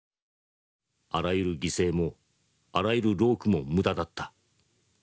あらゆる犠牲もあらゆる労苦も無駄だった。